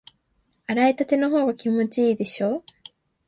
洗いたてのほうが気持ちいいでしょ？